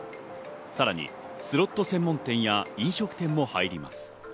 さらにスロット専門店や飲食店も入ります。